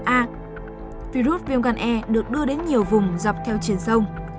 virus viêm gan e được đưa đến nhiều vùng dọc theo triển sông